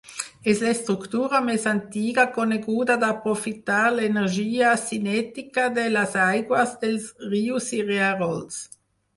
És l'estructura més antiga coneguda d'aprofitar l'energia cinètica de les aigües dels rius i rierols.